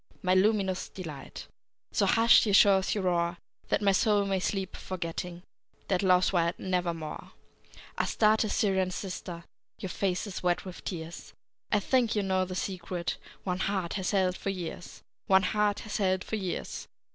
My luminous delight! So hush, ye shores, your roar, That my soul may sleep, forgetting Dead Love's wild Nevermore! Astarte, Syrian sister, Your face is wet with tears; I think you know the secret One heart hath held for years! One heart hath held for years!